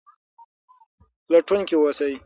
پلټونکي اوسئ.